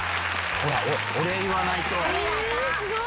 お礼言わないと。